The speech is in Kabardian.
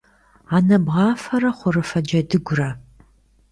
Анэ бгъафэрэ хъурыфэ джэдыгурэ.